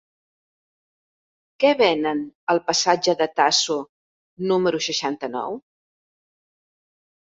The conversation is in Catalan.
Què venen al passatge de Tasso número seixanta-nou?